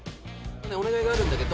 お願いがあるんだけど。